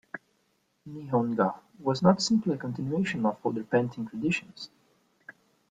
"Nihonga" was not simply a continuation of older painting traditions.